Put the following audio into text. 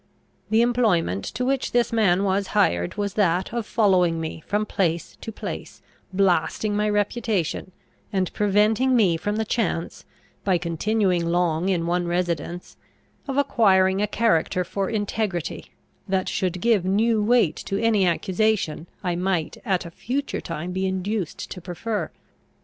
The employment to which this man was hired, was that of following me from place to place, blasting my reputation, and preventing me from the chance, by continuing long in one residence, of acquiring a character for integrity, that should give new weight to any accusation I might at a future time be induced to prefer.